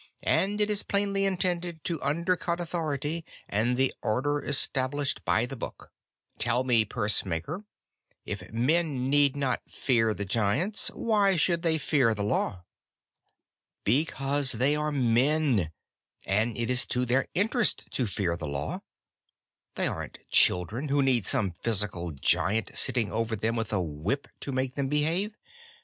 "And it is plainly intended to undercut authority and the order established by the Book. Tell me, pursemaker: if men need not fear the Giants, why should they fear the law?" "Because they are men, and it is to their interest to fear the law. They aren't children, who need some physical Giant sitting over them with a whip to make them behave.